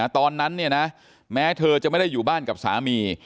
ตอนนั้นแม้เธอจะไม่ได้อยู่บ้านกับสามี